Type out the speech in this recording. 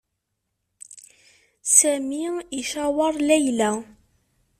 Sami i caweṛ Layla.